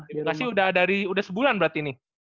di bekasi udah sebulan berarti ini